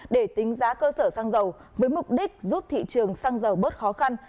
để tính giá cơ sở xăng dầu với mục đích giúp thị trường xăng dầu bớt khó khăn